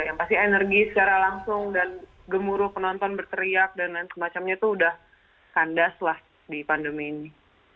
yang pasti energi secara langsung dan gemuruh penonton berteriak dan lain sebagainya itu udah kandas lah di pandemi ini